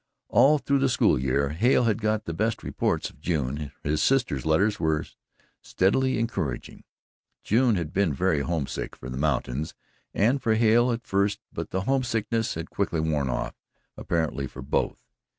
All through the school year Hale had got the best reports of June. His sister's letters were steadily encouraging. June had been very homesick for the mountains and for Hale at first, but the homesickness had quickly worn off apparently for both.